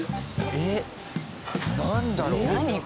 えっなんだろう？